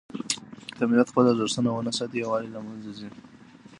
که ملت خپل ارزښتونه ونه ساتي، يووالی له منځه ځي.